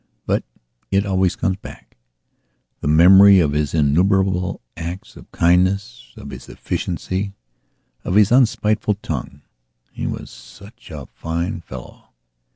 But it always comes backthe memory of his innumerable acts of kindness, of his efficiency, of his unspiteful tongue. He was such a fine fellow.